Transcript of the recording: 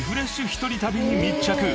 一人旅に密着］